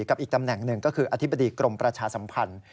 อีกตำแหน่งหนึ่งก็คืออธิบดีกรมประชาสัมพันธ์